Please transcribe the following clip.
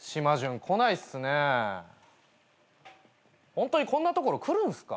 ホントにこんな所来るんすか？